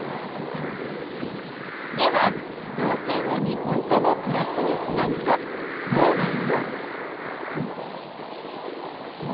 ではどう線を２本ともプラスにつなぐとどうなる？